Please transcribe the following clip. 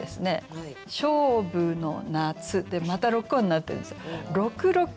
「勝負の夏」でまた６音になってるんですよ。